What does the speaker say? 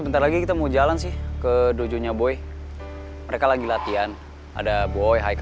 perbedaannya cuma sekian detik